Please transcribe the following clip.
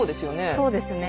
そうですね。